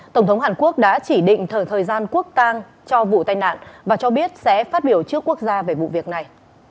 tổng thống hàn quốc đã chỉ định thời gian quốc tang cho vụ tai nạn và cho biết sẽ phát biểu trước quốc gia về vụ việc này